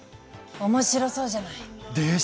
面白そうじゃない！でしょう？